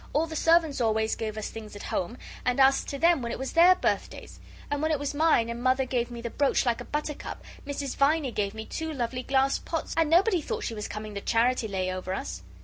All the servants always gave us things at home, and us to them when it was their birthdays. And when it was mine, and Mother gave me the brooch like a buttercup, Mrs. Viney gave me two lovely glass pots, and nobody thought she was coming the charity lay over us."